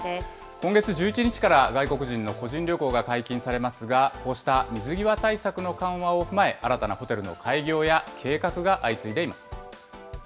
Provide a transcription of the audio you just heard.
今月１１日から、外国人の個人旅行が解禁されますが、こうした水際対策の緩和を踏まえ、新たなホテルの開業や計画が相次いでいます。